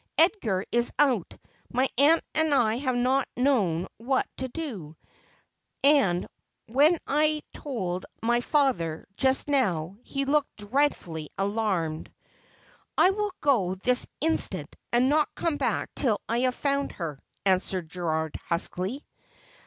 Edgar is out. My aunt and I have not known what to do, and when I told my father just now he looked dreadfully alarmed.' ' I will go this instant, and not come back till I have found her,' answered Gerald huskily.